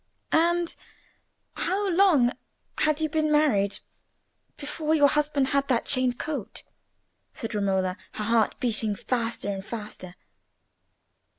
"And how long had you been married before your husband had that chain coat?" said Romola, her heart beating faster and faster.